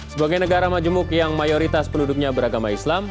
sebagai negara majemuk yang mayoritas penduduknya beragama islam